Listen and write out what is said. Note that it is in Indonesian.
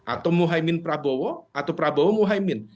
atau muhaimin prabowo atau prabowo muhaimin